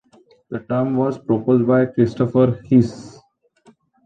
The term was proposed by Christopher Hsee.